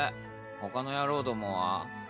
ほかの野郎どもは？